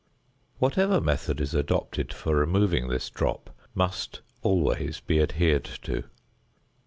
Whatever method is adopted for removing this drop must be always adhered to.